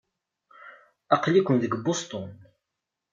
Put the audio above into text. Aql-iken deg Boston.